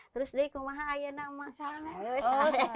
terus di rumah ayah ada masalah